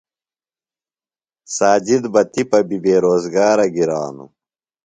ساجد بہ تِپہ بیۡ بے روزگارہ گِرانوۡ۔